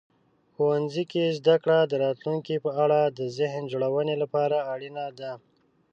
ښوونځي کې زده کړه د راتلونکي په اړه د ذهن جوړونې لپاره اړینه ده.